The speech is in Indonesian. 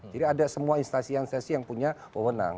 jadi ada semua instansi yang punya